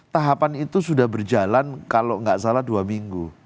tahapan itu sudah berjalan kalau nggak salah dua minggu